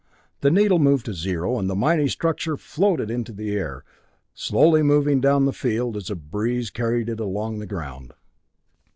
Then the needle moved to zero, and the mighty structure floated into the air, slowly moving down the field as a breeze carried it along the ground.